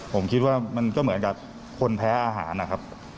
ผมคิดว่ามันก็เหมือนกับคนแพ้อาหารนะครับ